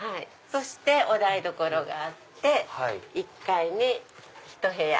そしてお台所があって１階にひと部屋。